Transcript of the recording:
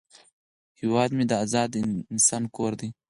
هیواد مې د آزاد انسان کور دی